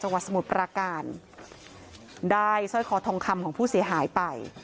จังหวัดสมุทรปราการได้ซอยคอทองคำของผู้เสียหายไป